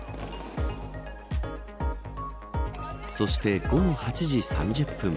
そして、午後８時３０分